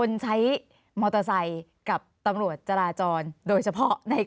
ร้อยตำรวจเอกร้อยตำรวจเอกร้อยตำรวจเอก